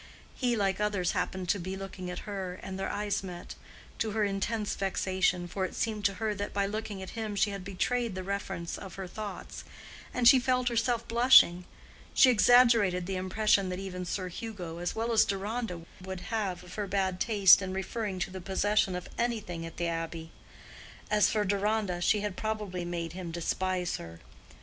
He, like others, happened to be looking at her, and their eyes met—to her intense vexation, for it seemed to her that by looking at him she had betrayed the reference of her thoughts, and she felt herself blushing: she exaggerated the impression that even Sir Hugo as well as Deronda would have of her bad taste in referring to the possession of anything at the Abbey: as for Deronda, she had probably made him despise her.